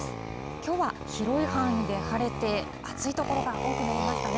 きょうは広い範囲で晴れて、暑い所が多くなりましたね。